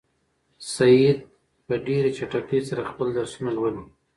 سعید په ډېرې چټکۍ سره خپل درسونه لولي.